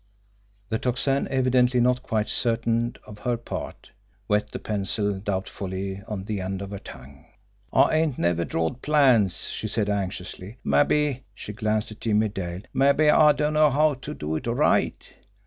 The Tocsin, evidently not quite certain of her part, wet the pencil doubtfully on the end of her tongue. "I ain't never drawed plans," she said anxiously. "Mabbe" she glanced at Jimmie Dale "mabbe I dunno how to do it RIGHT."